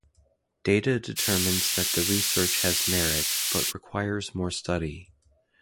Data determines that the research has merit, but requires more study.